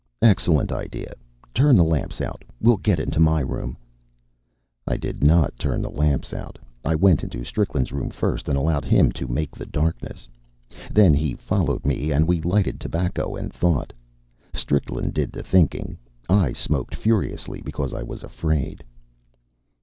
"Excellent idea! Turn the lamps out. We'll get into my room." I did not turn the lamps out. I went into Strickland's room first and allowed him to make the darkness. Then he followed me, and we lighted tobacco and thought. Strickland did the thinking. I smoked furiously because I was afraid.